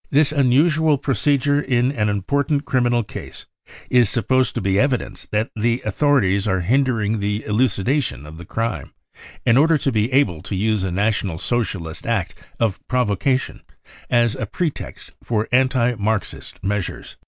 This unusual procedure in an important criminal case is supposed to be evidence that the authorities are $ i > 104 BROWN BOOK OF THE HITLER TERROR hindering the elucidation of the«crime, in order to be able to use a National Socialist act of provocation as a * pretext for anti Marxist measures.